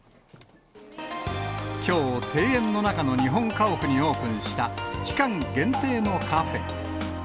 きょう、庭園の中の日本家屋にオープンした、期間限定のカフェ。